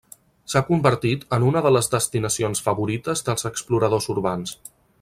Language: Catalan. S'ha convertit en una de les destinacions favorites dels exploradors urbans.